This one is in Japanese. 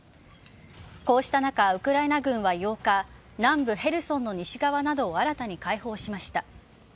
こうした中、ウクライナ軍は８日南部・ヘルソンの西側などを新たに解放しました。